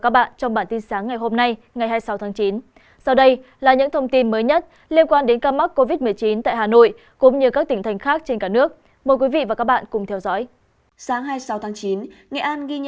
sáng hai mươi sáu tháng chín nghệ an ghi nhận hai ca nhiễm cộng đồng covid một mươi chín mới ở tp vinh